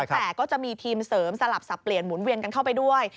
แต่ก็จะมีทีมเสริมสลับสับเปลี่ยนหมุนเวียนกันเข้าไปด้วย